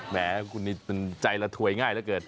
แหมคุณนี่เป็นใจละถวยง่ายแล้วเกิด